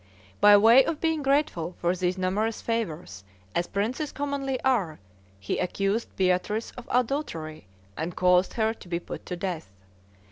By way of being grateful for these numerous favors, as princes commonly are, he accused Beatrice of adultery and caused her to be put to death.